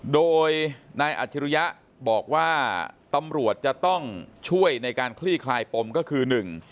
โดยนายอัจฉริยะบอกว่าตำรวจจะต้องช่วยในการคลี่คลายปมก็คือหนึ่ง